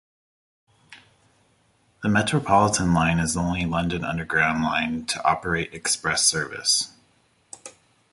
The Metropolitan line is the only London Underground line to operate express service.